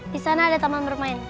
disana ada taman bermain